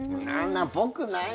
っぽくない。